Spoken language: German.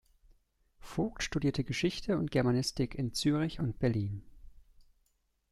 Vogt studierte Geschichte und Germanistik in Zürich und Berlin.